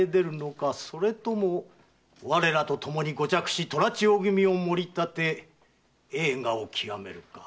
それとも我らと共にご嫡子・虎千代君を守り立て栄華を極めるか。